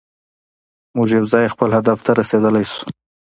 موږ یوځای خپل هدف ته رسیدلی شو.